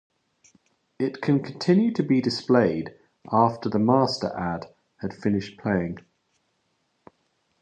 It can continue to be displayed after the master ad has finished playing.